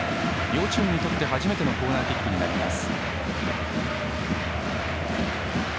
両チームにとって初めてのコーナーキックになります。